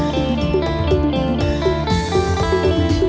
เธอไม่รู้ว่าเธอไม่รู้